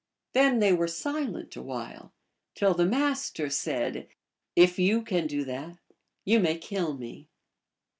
Then they were silent awhile, till the Master said, " If you can do that you may kill me."